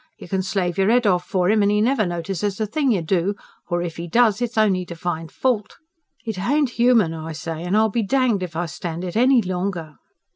You can slave yer 'ead off for 'im, and 'e never notices a thing you do, h'or if 'e does, it's on'y to find fault. It h'ain't 'uman, I say, and I'll be danged if I stand it h'any longer."